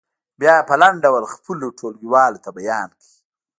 بیا یې په لنډ ډول خپلو ټولګیوالو ته بیان کړئ.